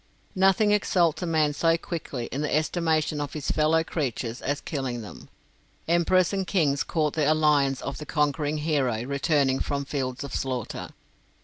Nothing exalts a man so quickly in the estimation of his fellow creatures as killing them. Emperors and kings court the alliance of the conquering hero returning from fields of slaughter.